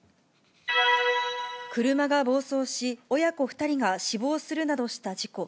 車が暴走し、親子２人が死亡するなどした事故。